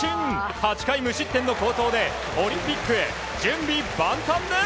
８回無失点の好投でオリンピックへ準備万端です！